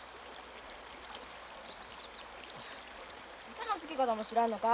餌のつけ方も知らんのか？